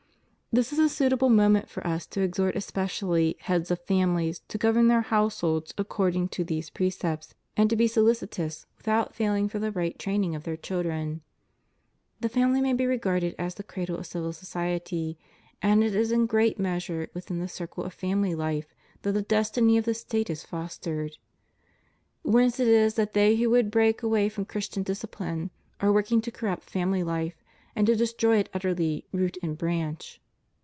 This is a suitable moment for us to exhort especially heads of families to govern their households according to these precepts, and to be solicitous without failing for the right training of their children. The family may be regarded ■ as the cradle of civil society, and it is in great measure within the circle of family Hfe that the destiny of the State is fostered. Whence it is that they who would break away from Christian disciphne are working to corrupt family life, and to destroy it utterly, root and branch.